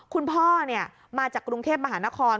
คุณพ่อมาจากกรุงเทพมหานคร